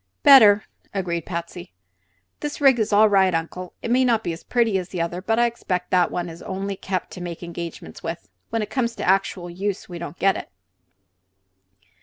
"Better," agreed Patsy. "This rig is all right, Uncle. It may not be as pretty as the other, but I expect that one is only kept to make engagements with. When it comes to actual use, we don't get it."